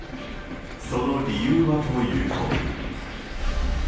その理由はというと。